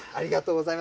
ありがとうございます。